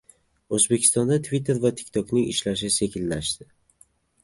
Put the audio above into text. O‘zbekistonda Twitter va TikTok'ning ishlashi sekinlashdi